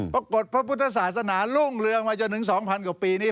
ปรากฏพระพุทธศาสนารุ่งเรืองมาจนถึง๒๐๐กว่าปีนี้